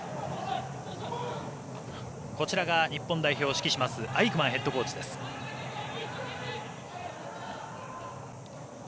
日本代表を指揮しますアイクマンヘッドコーチでした。